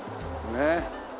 ねえ。